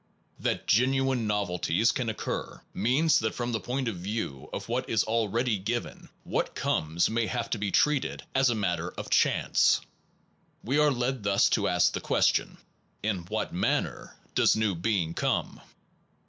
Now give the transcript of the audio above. That genuine novelties can occur means that from the point of view of what is already given, what comes may have to be treated as a matter of chance. We are led thus to ask the question: In what manner does new being come?